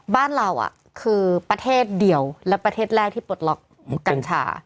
บ้านเราคือประเทศเดียวและประเทศแรกที่ปลดล็อกกัญชา